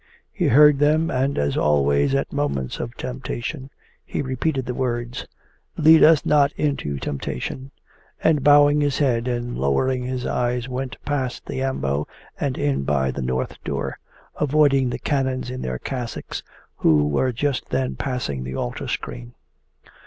He heard them and, as always at moments of temptation, he repeated the words, 'Lead us not into temptation,' and bowing his head and lowering his eyes went past the ambo and in by the north door, avoiding the canons in their cassocks who were just then passing the altar screen.